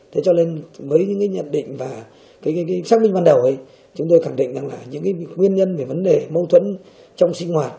thế cho nên với những cái nhận định và cái xác minh ban đầu ấy chúng tôi khẳng định rằng là những cái nguyên nhân về vấn đề mâu thuẫn trong sinh hoạt